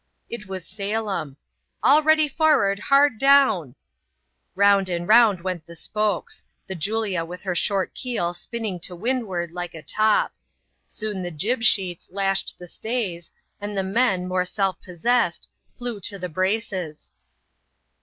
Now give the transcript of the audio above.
It was Salem :" All ready for'ard ; hard down !" Bound and round went the spokes — the Julia with her short keel spinning to windward like a top. Soon the jib sheets lashed the stays, and the men, more self possessed, flew to the braces.